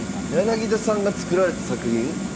柳田さんが作られた作品？